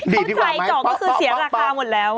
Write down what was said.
เข้าใจเจาะก็คือเสียราคาหมดแล้ว